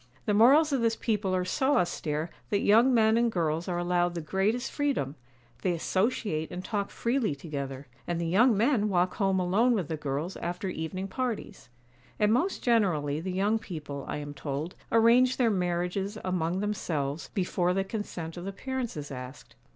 The morals of this people are so austere that young men and girls are allowed the greatest freedom. They associate and talk freely together, and the young men walk home alone with the girls after evening parties. And most generally the young people, I am told, arrange their marriages among themselves before the consent of the parents is asked.